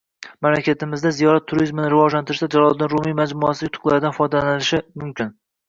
Mamlakatimizda ziyorat turizmini rivojlantirishda Jaloliddin Rumiy majmuasi yutuqlaridan foydalanilishi mumkin